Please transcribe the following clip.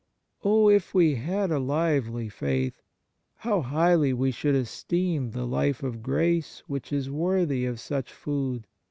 Oh, if we had a lively faith; how highly we should esteem the life of grace which is worthy of such food